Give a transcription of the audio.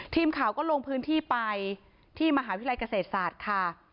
ทีมข่าวก็ลงพื้นที่ไปที่มหาวิทยาลัยเกษตรศาสตร์ค่ะ